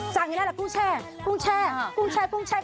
สั่งอย่างนั้นแหละกุ้งแช่